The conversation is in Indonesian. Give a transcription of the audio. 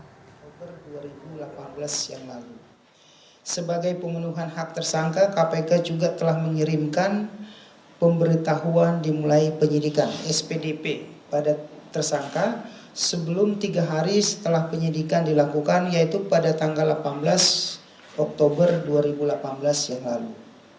pada tanggal delapan belas oktober dua ribu delapan belas yang lalu sebagai pengunduhan hak tersangka kpk juga telah menyirimkan pemberitahuan dimulai penyidikan spdp pada tersangka sebelum tiga hari setelah penyidikan dilakukan yaitu pada tanggal delapan belas oktober dua ribu delapan belas yang lalu